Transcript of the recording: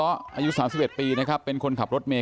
อายุ๓๑ปีนะครับเป็นคนขับรถเมย